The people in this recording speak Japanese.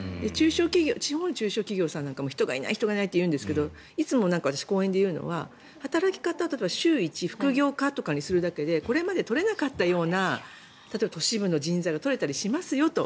地方の中小企業さんなんかも人がいない、人がいないって言うんですがいつも私、講演で言うのは働き方は週１副業可にするだけでこれまで取れなかったような都市部の人材が取れたりしますよと。